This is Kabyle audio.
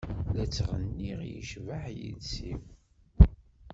La ttɣenniɣ yecbeḥ yiles-iw.